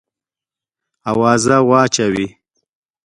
آوازه واچوې.